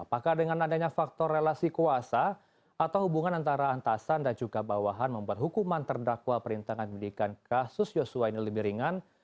apakah dengan adanya faktor relasi kuasa atau hubungan antara antasan dan juga bawahan membuat hukuman terdakwa perintangan pendidikan kasus yosua ini lebih ringan